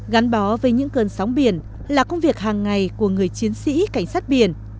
gắn bó với những cơn sóng biển là công việc hàng ngày của người chiến sĩ cảnh sát biển